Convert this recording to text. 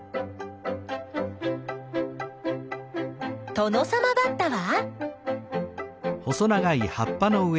トノサマバッタは？